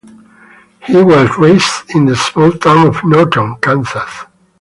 He was raised in the small town of Norton, Kansas.